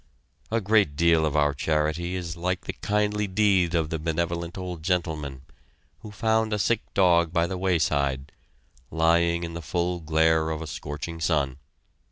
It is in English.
A great deal of our charity is like the kindly deed of the benevolent old gentleman, who found a sick dog by the wayside, lying in the full glare of a scorching sun.